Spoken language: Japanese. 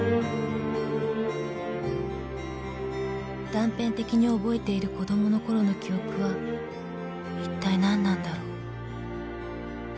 ［断片的に覚えている子供のころの記憶は一体何なんだろう］